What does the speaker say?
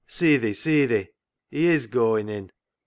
— see thee ! see thee ! He is goin' in."